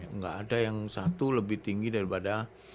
nggak ada yang satu lebih tinggi daripada